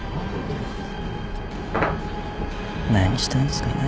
何したんすかね。